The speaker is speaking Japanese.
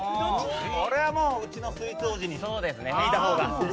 これはもう、うちのスイーツ王子に聞いたほうが。